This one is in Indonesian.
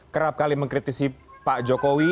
kerap kali mengkritisi pak jokowi